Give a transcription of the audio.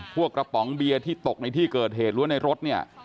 พวกกระป๋องเบียที่ตกในที่เกิดเหตุล้วนในรถเนี่ย